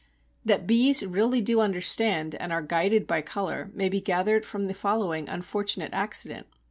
That bees really do understand and are guided by colour may be gathered from the following unfortunate accident.